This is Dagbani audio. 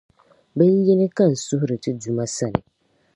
Bin’ yini ka n suhiri Ti Duuma sani.